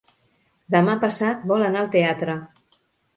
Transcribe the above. Demà passat vol anar al teatre.